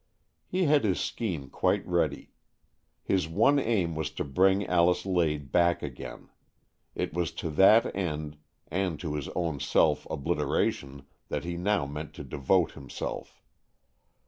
He had his scheme quite ready. His one aim was to bring Alice Lade back again. It was to that end, and to his own self obliteration that he now meant to devote him self.